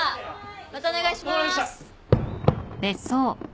またお願いします！